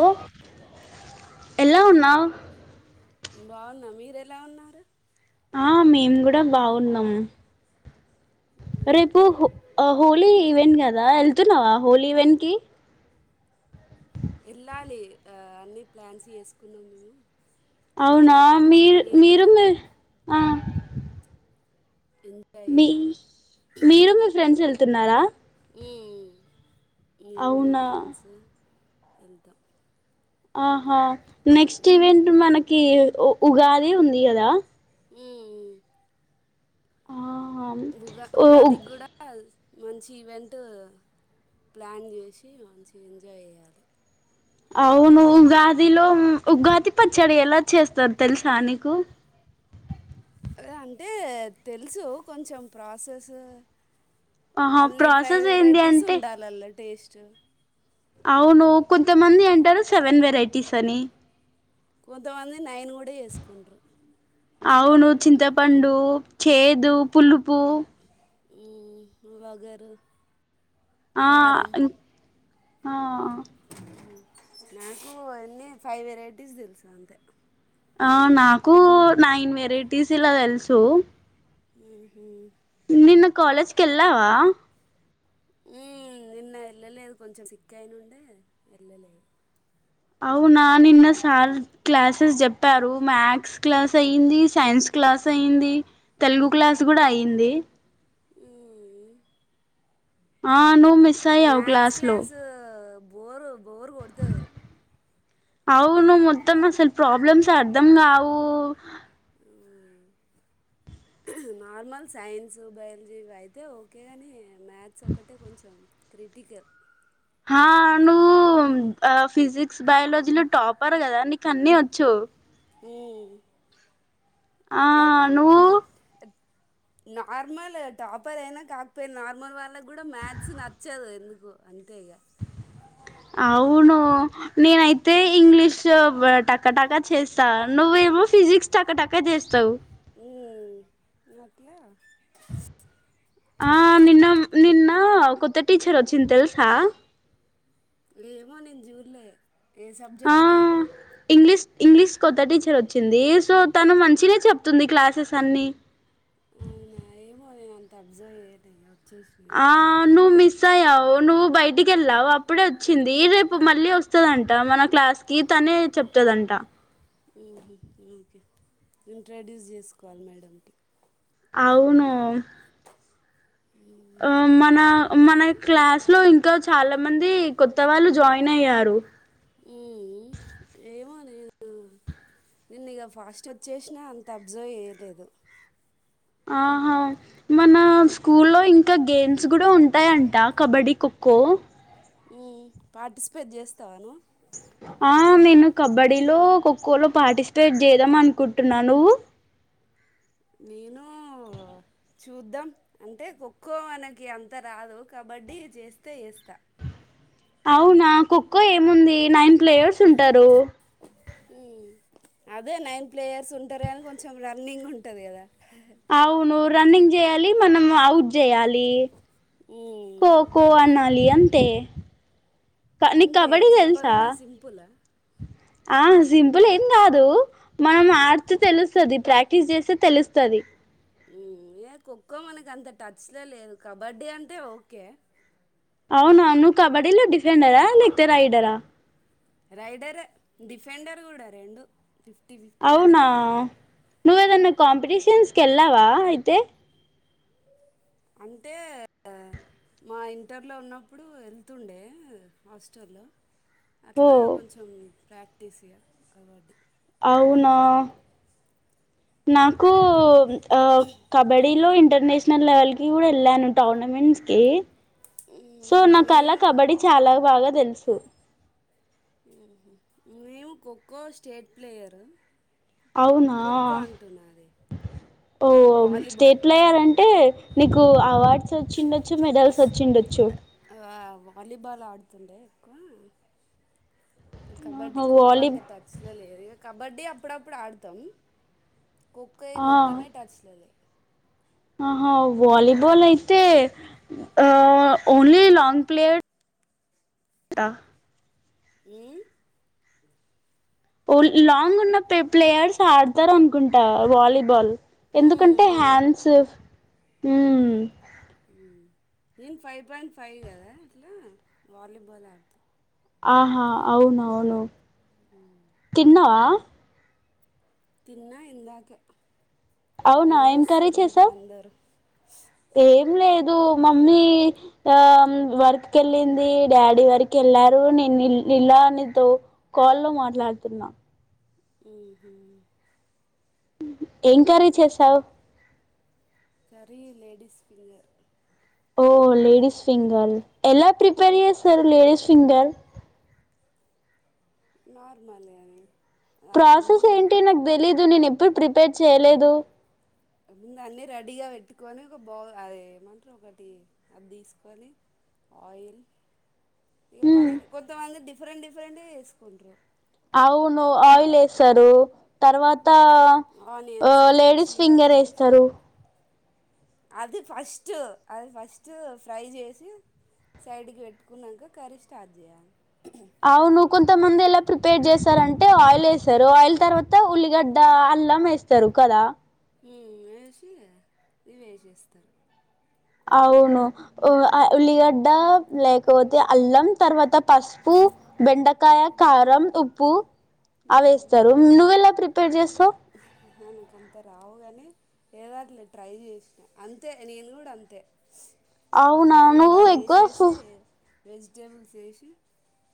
Hello ఎలా ఉన్నావ్ బాగున్న మీరూ ఎలా ఉన్నారు ఆ మేము కూడా బాగున్నాము రేపు ఉ హొ హోలీ ఈవెంట్ కదా వెళ్తున్నావా హోలీ ఈవెంట్ కి వెళ్ళాలి అన్నీ ప్లాన్స్ చేసుకున్నాం మేము వెళ్ళాలి అవునా రేపు మీరు మార్నింగ్ వెళ్ళి మీరు మీ ఆ ఎంజాయ్ మీ చేయాలి మీరు మీ ఫ్రెండ్స్ వెల్ తున్నారా ఉమ్ ఉమ్ మేము మా అవునా ఫ్రెండ్స్ ఎళ్ంతా ఆహా నెక్స్ట్ ఈవెంట్ మనకి కి ఉగాదే ఉంది కదా ఉమ్. ఆ ఉగా ఉగాది గుడా మంచి ఈవెంట్ ప్లాన్ చేసి మంచి ఎంజాయ్ చేయ్యాలి అవును ఉగాదిలో ఉగాది పచ్చడి ఎలా చేస్తారు తెలుసా నీకు అంటే తెలుసు కొంచెం ప్రాసెస్ ఆహా అన్నిీ ఫైవ్ ప్రాసెస్ ఏంటి వెరైటీస్ అంటే ఉండాలల్ల టే స్ట్ అవును కొంతమంది అంటారు సెవెన్ వెరైటీస్ అని కొంతమంది నైన్ కూడా చేసుకుంటారు అవును చింతపండు చేదు పులుపు ఉమ్ వగరు ఆ కారం ఆ నాకు అన్నిీ ఫైవ్ వెరైటీస్ తెలుసు అంతే ఆ నాకు నైన్ వెరైటీస్ ఇలా తెలుసు ఉమ్మ్మ్ నిన్న కాలేజ్ కెల్లావా ఉమ్ నిన్న వెళ్ళలేదు కొంచెం సిక్క అయినుండే వెళ్ళలేదు అవునా నిన్న సార్ క్లాసెస్ చెప్పారు మ్యాథ్స్ క్లాస్ అయ్యింది సైన్స్ క్లాస్ అయ్యింది తెలుగు క్లాస్ కూడా అయ్యింది ఆ నువ్వు మిస్ అయ్యావు మ్యాథస్ క్లాస్లో క్లాస్ బోర్ బోరు కొతది అవును్వు మొత్తం అసలు ప్రాబ్లమ్స్ అర్ధం కావు నార్మల్ సైన్స్ బయాలజీవి అయితే ఓకే కానీ మ్యాథ్స్ ఒకటే కొంచెం క్రిటికల్ ఆ నువ్వు ఆ ఫిజిక్స్ బయాలజీలో టాపర్ కదా నీకు అన్నీ వచ్చు ఈ ఆ నువ్వు నార్మల్ టాపర్ అయినా కాకపోయి నార్మల్ వాళ్ళకి కూడా మ్యాథ్స్ నచ్చదు ఎందుకు అంతేగా అవును నేనైతే ఇంగ్లీష్ టక్కటాక్క చేస్తా నువ్వేమో ఫిజిక్స్ టక్కటక్క చేస్తావు్ ఈ మట్ల ఆ నిన్న నిన్న కొత్త టీచర్ వచ్చింది తెలుసా లేమో నేను జూర్లే ఏ ఆ సబ్జెక్ట్కి ఇంగ్లీష్ ఇంగ్లీష్ కొత్త టీచర్ వచ్చింది సో తను మంచినే చెప్తుంది క్లాసెస్ అన్ని అవునా ఏమో నేను అంత అబ్జర్వ్ అయది ఆ ను మసా నువ్వు బయటికి వెళ్ళావు అప్పుడే వచ్చింది రేపు మళ్ళీ వస్తదంట మన క్లాస్ కి తనే చెప్తదంట ఓకే ఇంట్రొడ్యూస్ చేసుకోవాలి మేడంకి అవును ఆ మన మన క్లాస్ లో ఇంకా చాలా మంది కొత్త వాళ్ళు జాయిన్ అయ్యారు ఏమో నేను నిను ఇక ఫాస్ట్ వచ్చేసినా అంత అబ్జర్వ్ చేయలేదు ఆహా మన స్కూ లో ఇంకా గేమ్స్ కూడా ఉంటాయంట కబడ్డీ ఖోఖో పార్టిసిపేట్ చేస్తావాను ఆ నేను కబడ్డీలో ఖోఖోలో పార్టిసిపేట్ చేద్దాం అనుకుంటున్నానువ నేను చూద్దాం అంటే ఖోఖో మనకి అంత రాదు కబడ్డీ చేస్తే వస్తా అవునా ఖోఖో ఏముంది నైన్ ప్లేయర్స్ ఉంటారు అదే నైన్ ప్లేయర్స్ ఉంటారు కాని కొంచెం రన్నింగ్ ఉంటది కదా అవును రన్నింగ్ చేయాలి మనం అవుట్ జెయాలి ఉమ్ కో కో అనాలి అంతే నీకు అంతే కబడ్డీ తెలుసా చెప్పగానే సింపుల్ ఆ సింపుల్ ఏం కాదు మనం ఉమ్ ఆడుతే తెలుస్తది ప్రాక్టీస్ చేస్తే తెలుస్తది ఉమ్ ఏ ఖోఖో మనకి అంత టచ్ లో లేదు కబడ్డీ అంటే ఓకే అవునవును కబడ్డీలో డిఫెండరా లేకతే రైడరా రైడరే డిఫెండర్ కూడా రెండు ఫిఫ్టీ ఫిఫ్టీ అలా నువ్ ఎదన్న కాంపిటీషన్స్ కెల్లావా అయితే అంటే మా ఇంటర్లో ఉన్నప్పుడు ఎళ్తుండే హాస్టల్ ఓ అట్లా కొంచెం ప్రాక్టీస్ ఇగ కబడ్డీ అవునా నాకూ ఆ కబడ్డీలో ఇ ఇంటర్నేషనల్ లెవెల్ కి కూడా వెళ్ళాను టోర్నమెంట్స్ కి ఉమ్, సో నాకల మేము కబడ్డి చాలా బాగ తెలుసు ఊహు మేము ఖోఖో స్టేట్ ప్లేయరు అవునా ఖోఖో అంటున్నా అది ఓ వాలీబాల్ స్టేట్ ప్లేయర్ అంటే నీకు అవార్ ర్డ్స్ వోచ్చిండచ్చు మెడల్స్ వచ్చిండొచ్చు తుండే ఎక్కువ కబడ్డీ ఆహా ఖోఖో వాలీ అంత టచ్ లో లేదు కబడ్డీ అప్పుడప్పుడు ఆడతాం ఖో ఖో మొత్తమే టచ్లలేదు ఆహ వాలీబాల్ అయితే ఓన్లీ లాంగ్ ప్లేయర్ గా మ్ ఓ-లాంగ్ ఉన్న ప్లే-ప్లేయర్స్ ఆడతారు అనుకుంటా వాలీబాల్ ఉమ్ ఎందుకంటే ఉమ్ హ్యాన్స్ మ్ నేను ఫైవ్ పాయింట్ ఫైవ్ కదా అట్లా వాలీబాల్ ఆడతా ఆహా అవును అవును తిన్నావా తిన్న ఇందాకే అవునా ఏం కర్రీ చేస్తుర్రు ఇంట్లో చేసావ్ అందరు ఏం లేదు మమ్మీ ఆ వర్క్ కి వెళ్ళింది డాడీ వర్క్ కి వెళ్లారు నేను ఇలా నీతో కాల్లో మాట్లాడుతున్నా ఊహు ఏం కర్రీ చేసావు కర్రీ లేెడీస్ ఫింగర్ ఓ లేడీస్ ఫింగర్ ఎలా ప్రిపేర్ చేస్తరు లేడీస్ ఫింగర్ నార్మల్ అది ప్రాసెస్ ఏంటి నాకు తెలియుదు నేను ఎప్పు ప్రిపేర్ చేయలేదు ముందు అన్నీ రెడీగా పెట్టుకొని ఒక బౌల్ అద ఏమంటారు ఒకటి అది తీసుకొని ఆయిల్ ఇక మనకి కొంతమంది డిఫరెంట్ డిఫరెంటట్ గా చేసుకుంటరు అవును ఆయిల్ వేస్తారు తర్వాత త ఆనియన్స్ ఆ మిర్చి లేడీస్ ఫింగర్ అట్లా వేసి వేస్తారు అది ఫస్ట్ అది ఫస్ట్ ఫ్రై చేసి సైడ్కి పెట్టుకున్నాక కర్రీ స్టార్ట్ చేయాలి అవును కొంతమంది ఎలా ప్రిపేర్ చేస్తారంటే ఆయిల్ వేస్తారు ఆయిల్ తర్వాత ఉల్లిగడ్డ అల్లం వేస్తారు కదా మ్ వేసి ఇవి వేసేస్తారు అవును ఉ ఆ ఉమ్, ఉల్లీగడ్డా లేకపోతే అల్లం తర్వాత పసుపు, బెండకాయ, కారం, ఉప్పు అవేస్తారు నువ్వెలా ప్రిప పేట్ చేస్తవ్ నాకు అంత రావు కాని ఏదట్ ట్రై చేసినా అంతే నేను కూడా అంతే అవునా నువ్వు ముందుగా ఎకువఫ వేసేసి వెజిటేబుల్స్ వేసి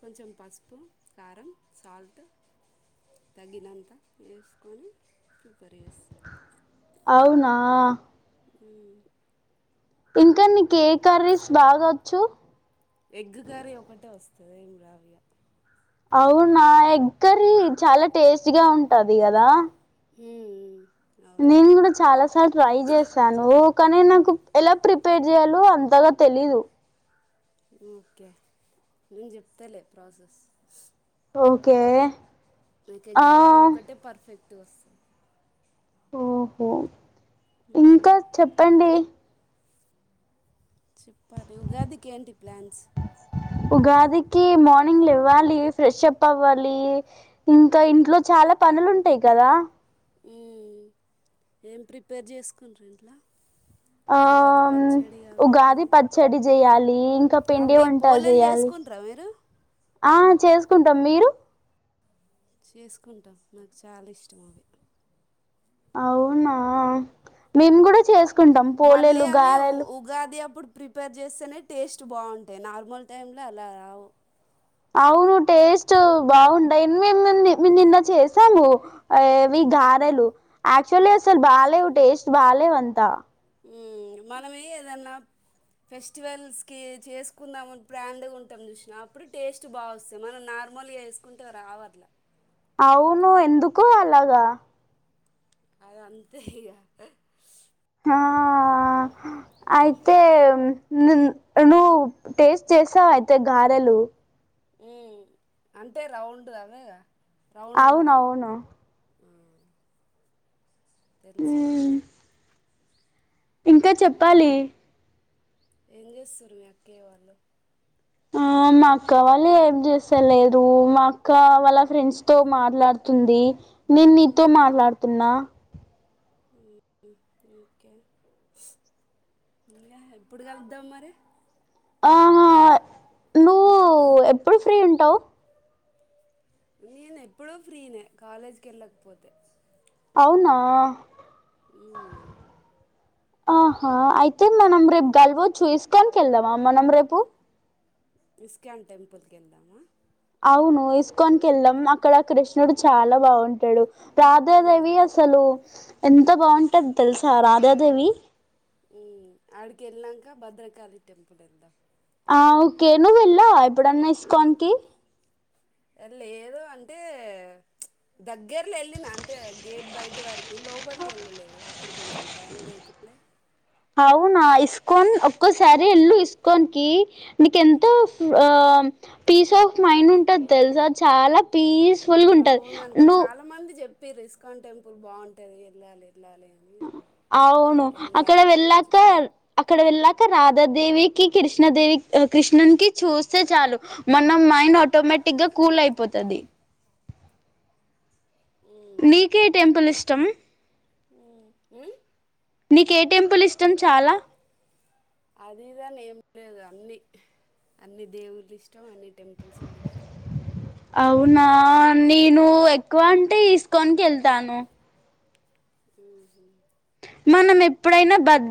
కొంచెం పసుపు కారం సాల్ట్ తగినంత వేసి కొని అవునా ఉ ఇంకా నీకే కర్రీస్ బాగా వచ్చు ఎగ్గు కర్రీ ఒకటే వస్తుంది ఏం రాదు ఇగ అవునా ఎగ్ కర్రీ చాలా టేస్ట్ గా ఉంటది కదా ఉ నేను కూడా చాలా సార్ ట్రై చేశాను కానీ నాకు ఎలా ప్రిపేర్ చేయాలో అంతగా తెలీదు ఓకే నేను చెప్తాలే ప్రాసెస్ ఓకే నాకు ఆ ఎగ్ కర్రీ ఒకటే పర్ఫెక్ట్ ధోస్ ఓహో ఇంకా చెప్పండి చెప్పాలి ఉగాదికి ఏంటి ప్లాన్స్ ఉగాదికి మార్నింగ్ లేవ్వాలి ఫ్రెష్ అప్ అవ్వాలి ఇంకా ఇంట్లో చాలా పనులు ఉంటాయి కదా ఉ ఏం ప్రిపేర్ చేసుకుంటారు ఇంట్లా ఆ ఉగాది కాకపోతే పచ్చడి చేయాలి ఇంకా పిండి అవి వంటలు పోలేలు చెయాలి చేసుకుంటారా మీరు ఆ చేసుకుంటాం మీరు చేసుకుంటాం నాకు చాలా ఇష్టం అవి అవునా మేము కూడా చేసుకుంటాం మళ్ళీ పోలేలు అవి గారెలు ఉగాది అప్పుడు ప్రిపేర్ చేస్తేనే టేస్ట్ బాగుంటాయి నార్మల్ టైంలో అలా రావు అవును టేస్ట్ బాగుంటాయి మేముము నిన్న చేసాము గారెలు ఆక్చువల్లీ అసలు బాలేవు టేస్ట్ బాలేవు అంతా మనమే ఏదన్నా ఫెస్టివల్స్కి చేసుకుందామని బ్రాండ్గ ఉంటం చూసినా అప్పుడు టేస్ట్ బాగా వస్తుంది మనం నార్మల్గా వేసుకుంటే రావట్ల అవును ఎందుకో అలాగా అది అంతే ఇగ ఆ అయితే ను నువ్వు టేస్ట్ చేస్తావ అయితే గారెలు ఆ అంటే రౌండ్ అవేగా రౌండ్ ఉంటాయి అవునవును తెలుసు ఇంకా చెప్పాలి ఏం చేస్తారు మీ అక్కయ్య వాళ్ళు ఆ మా అక్క వాళ్ళు ఏం చేసలేదు మా అక్క వాళ్ళ ఫ్రెండ్స్ తో మాట్లాడుతుంది నేను నీతో మాట్లాడుతున్నా ఓకే ఇంకా ఎప్పుడు కలుద్దాం మరి ఆ నువ్వు ఎప్పుడు ఫ్రీ ఉం ఉంటావ్ నేను ఎప్పుడూ ఫ్రీనే కాలేజకి వెళ్ళకపోతే అవునా హు ఆహా అయితే మనం రేపు గలవచూ ఇస్కాన్ కి వెళ్దామా మనం రేపు ఇస్కాన్ టెంపుల్కి వెళ్దామా అవును ఇస్కాన్ వెళ్దాం అక్కడ కృష్ణుడు చాలా బాగుంటాడు రాధ ఉమ్, దేవి అసలు ఎంత బాగుంటది తెలుసా రాధాదేవి హు అడుకి ఎలనాక భద్రకాళి టెంపుల్ కి వెళ్దాం ఆ ఓకే నువ్వు వెళ్ళావ ఎప్పుడన్నా ఇస్కాన్ కి లేదు అంటే దగ్గరలో వెళ్ళినా అంటే గేట్ బయటి వరికి లోపలికి వెళ్ళలేదు అప్పుడు కొంచెం టైం లేకుండా అవునా ఇస్కాన్ ఒక్కోసారి ఎల్లు ఇస్కాన్ కి నీకు ఎంతో పీస్ ఆఫ్ మైండ్ ఉంటుంది తెలుసా చాలా పీస్ ఫుల్ ఉంటది నువ్వు పిరు ఇస్కాన్ టెంపుల్ బాగుంటాది వెళ్ళాలి వెళ్ళాలి అని కానీ అవును అక్కడ వెళ్ళాలి ఒకరోజు వెళ్ళాక అక్కడ వెళ్ళాక అక రాధాదేవికి కృష్ణదేవి కృష్ణన్ క చూస్తే చాలు మన మైండ్ ఆటోమేటిక్ గా కూల్ అయిపోతుది నీకే టెంపుల్ ఇష్టం ఉ ఉమ్ నీక ఏ టెంపులు ఇష్టం చాలా అదిదనే ఏం లేదు అన్ని అన్ని దేవుళ్ళ ఇష్టం అన్ని టెంపుల్స్ కూడా ఇష్టం అవునా నేను ఎక్కువ అంటే ఇస్కాన్కి వెళ్తాను ఉ హు మనం ఎప్పుడైనా బ